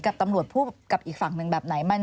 กับตำรวจพูดกับอีกฝั่งหนึ่งแบบไหน